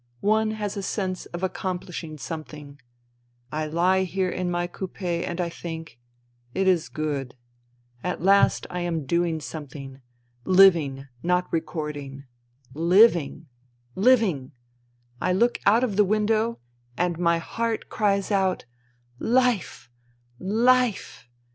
One has a sense of accompHshing something. I He here in my coupe and I think : It is good. At last I am doing something. Living, not recording. Living I Living ! I look out of the window, and my heart cries out : Life ! Life